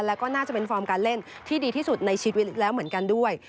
แล้วก็น่าจะเป็นฟอร์มการเล่นที่ดีที่สุดในชีวิตแล้วเหมือนกันด้วย